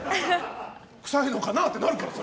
臭いのかな？ってなるから。